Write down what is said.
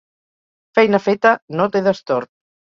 Feina feta no té destorb